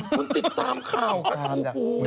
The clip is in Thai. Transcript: คุณติดตามข่าวกัน